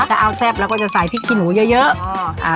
ถ้าเอาแซ่บเราก็จะใส่พริกขี้หนูเยอะ